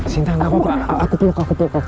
sinta gak apa apa aku peluk aku peluk